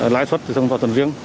lãi suất tính toán riêng